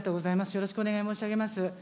よろしくお願い申し上げます。